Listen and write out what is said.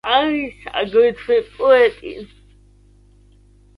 არის აგრეთვე პოეტი.